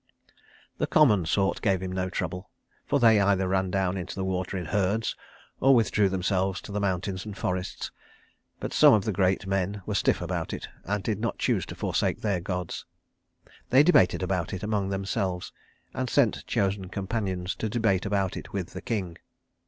The common sort gave him no trouble, for they either ran down into the water in herds, or withdrew themselves to the mountains and forests; but some of the great men were stiff about it, and did not choose to forsake their gods. They debated about it among themselves, and sent chosen champions to debate about it with the king.